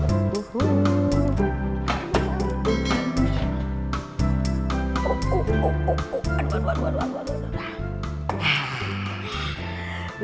oh oh oh aduh aduh aduh aduh